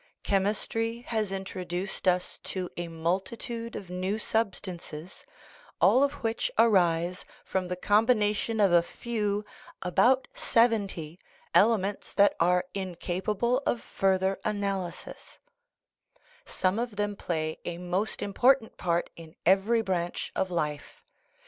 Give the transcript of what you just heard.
Chemistry has introduced us to a multitude of new substances, all of 3 THE RIDDLE OF THE UNIVERSE which arise from the combination of a few (about sev enty) elements that are incapable of further analysis ; some of them play a most important part in every branch of life.